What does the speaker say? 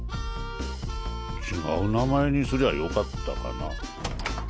違う名前にすりゃよかったかな。